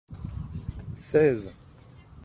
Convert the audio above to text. seize.